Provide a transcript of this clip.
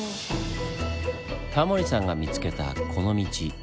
タモリさんが見つけたこの道